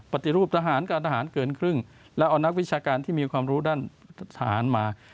ปฏิรูปทหารก็เอานักวิชาการที่มีความรู้ด้านทหารมา